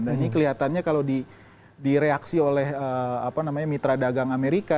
nah ini kelihatannya kalau direaksi oleh mitra dagang amerika